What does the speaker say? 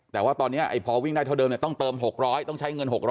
แต่ว่าตอนนี้พอวิ่งได้เท่าเดิมต้องเติม๖๐๐ต้องใช้เงิน๖๐๐